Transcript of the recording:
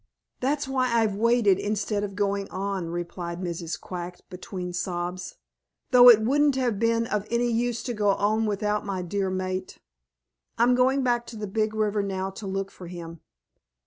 "That's why I've waited instead of going on," replied Mrs. Quack between sobs, "though it wouldn't have been of any use to go on without my dear mate. I'm going back to the Big River now to look for him.